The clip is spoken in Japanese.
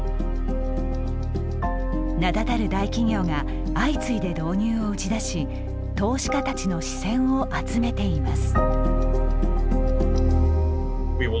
名だたる大企業が相次いで導入を打ち出し投資家たちの視線を集めています。